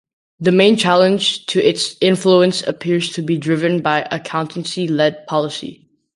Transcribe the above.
The main challenge to its influence appears to be driven by accountancy-led policy.